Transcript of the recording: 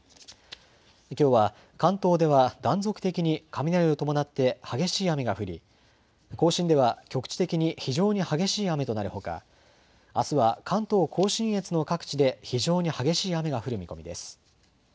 きょうは関東では断続的に雷を伴って、激しい雨が降り、甲信では局地的に非常に激しい雨となるほか、あすは関東甲信越の各地で非常に激しい雨が降る見込みです。